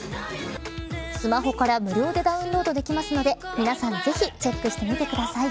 スマホから無料でダウンロードできますので皆さんぜひチェックしてみてください。